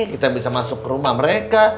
kita bisa masuk ke rumah mereka